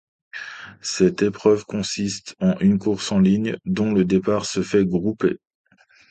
Cette épreuve consiste en une course en ligne, dont le départ se fait groupé.